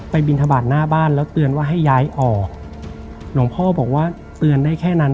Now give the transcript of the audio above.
บินทบาทหน้าบ้านแล้วเตือนว่าให้ย้ายออกหลวงพ่อบอกว่าเตือนได้แค่นั้น